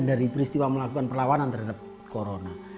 dari peristiwa melakukan perlawanan terhadap corona